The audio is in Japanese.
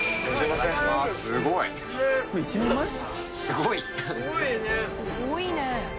すごいね。